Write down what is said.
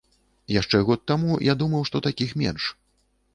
Яшчэ год таму я думаў, што такіх менш.